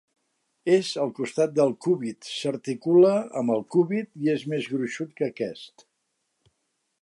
És al costat del cúbit, s'articula amb el cúbit, i és més gruixut que aquest.